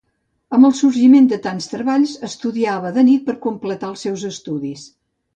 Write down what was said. Amb el sorgiment de tants treballs, estudiava de nit per completar els seus estudis.